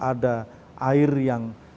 ada air yang